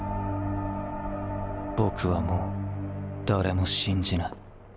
僕はもう誰も信じない。